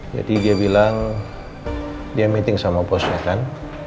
jadi dia bilang dia meeting sama bosnya kan